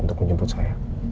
untuk menjemput saya